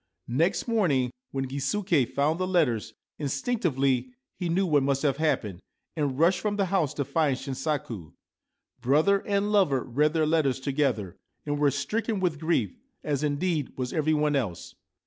Next morning, when Gisuke found the letters, instinc tively he knew what must have happened, and rushed from the house to find Shinsaku. Brother and lover read their letters together, and were stricken with grief, as, indeed, was every one else.